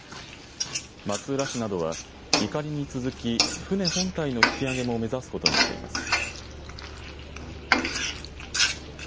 松浦市などは、いかりに続き船本体の引き揚げも目指すことにしています。